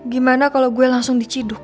gimana kalau gue langsung diciduk